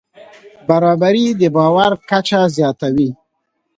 برابري د باور کچه زیاتوي.